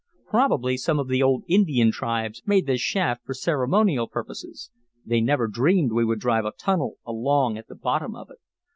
"Probably some of the old Indian tribes made this shaft for ceremonial purposes. They never dreamed we would drive a tunnel along at the bottom of it.